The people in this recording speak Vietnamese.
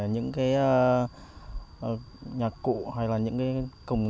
những cái nhạc cụ hay là những cái cồng chiêng